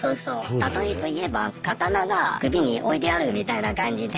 例えて言えば刀が首に置いてあるみたいな感じで。